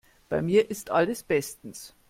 Bei mir ist alles bestens.